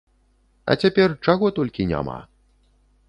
А цяпер чаго толькі няма.